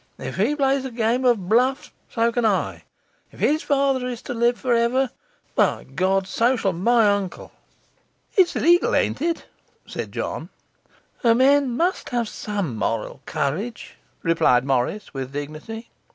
If he plays a game of bluff, so can I. If his father is to live for ever, by God, so shall my uncle!' 'It's illegal, ain't it?' said John. 'A man must have SOME moral courage,' replied Morris with dignity.